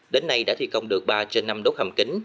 đến nay đã thi công được ba trên năm đốt hầm kính